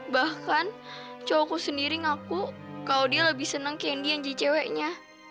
bahkan cowokku sendiri ngaku kalau dia lebih senang candy yang jadi ceweknya